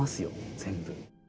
全部。